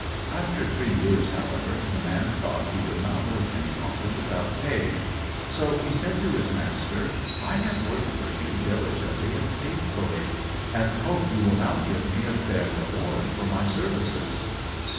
After the three years, however, the man thought he would not work any longer without pay, so he said to his master, "I have worked for you diligently and faithfully, and hope you will now give me a fair reward for my services."